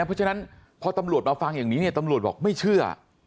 เพราะฉะนั้นพอตำรวจมาฟังอย่างนี้เนี่ยตำรวจบอกไม่เชื่อ